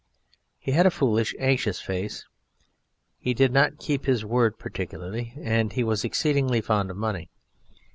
He had a foolish, anxious face. He did not keep his word particularly; and he was exceedingly fond of money.